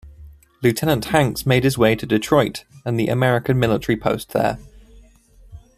Lieutenant Hanks made his way to Detroit and the American military post there.